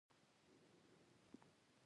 خولۍ د ادب کلتور ته درناوی ښکاره کوي.